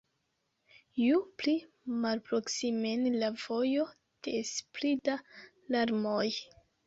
Ju pli malproksimen la vojo, des pli da larmoj.